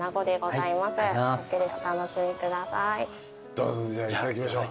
どうぞじゃあいただきましょう。